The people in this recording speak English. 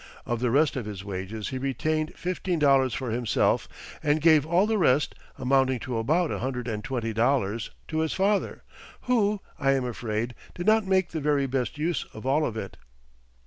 Of the rest of his wages he retained fifteen dollars for himself, and gave all the rest, amounting to about a hundred and twenty dollars, to his father, who, I am afraid, did not make the very best use of all of it.